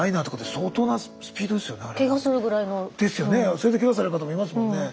それでケガされる方もいますもんね。